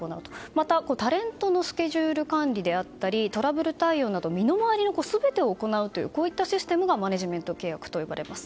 また、タレントのスケジュール管理であったりトラブル対応など身の回りの全てを行うというこういったシステムがマネジメント契約といわれます。